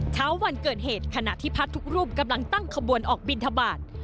เช้าวันเกิดเหตุขณะที่พระทุกรูปกำลังตั้งขบวนออกบินทบาท